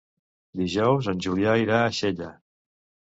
Dijous en Julià irà a Xella.